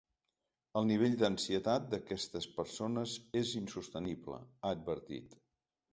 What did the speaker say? El nivell d’ansietat d’aquestes persones és insostenible, ha advertit.